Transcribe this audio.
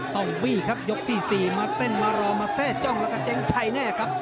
บี้ครับยกที่๔มาเต้นมารอมาแทร่จ้องแล้วก็เจ๊งชัยแน่ครับ